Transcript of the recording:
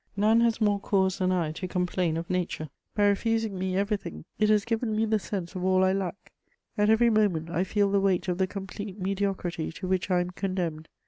"None has more cause than I to complain of nature: by refusing me everything, it has given me the sense of all I lack. At every moment I feel the weight of the complete mediocrity to which I am condemned.